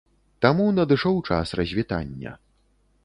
Таму надышоў час развітання.